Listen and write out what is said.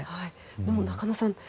でも、中野さん